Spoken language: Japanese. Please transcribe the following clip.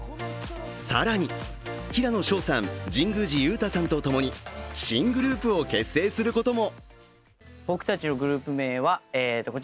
更に、平野紫耀さん、神宮寺勇太さんとともに新グループを結成することも。